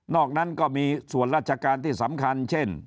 อกนั้นก็มีส่วนราชการที่สำคัญเช่น